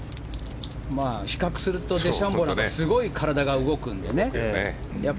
比較するとデシャンボーはすごい体が動くので。